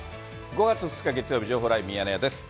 ５月２日月曜日、情報ライブミヤネ屋です。